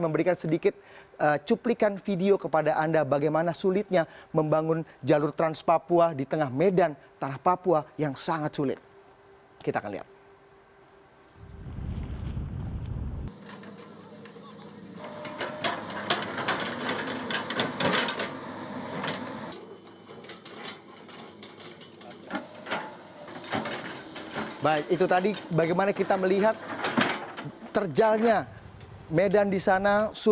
berikut laporannya untuk anda